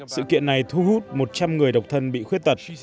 sự kiện này thu hút một trăm linh người độc thân bị khuyết tật